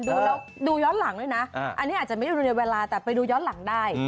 ดูย้อนหลังด้วยนะอันนี้อาจจะไม่ได้ดูในเวลาแต่ไปดูย้อนหลังได้